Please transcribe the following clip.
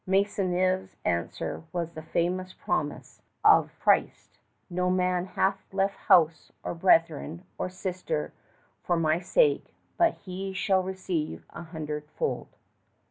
Maisonneuve's answer was the famous promise of Christ: "No man hath left house or brethren or sister for my sake but he shall receive a hundredfold."